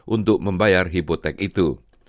untuk membayar hipotek itu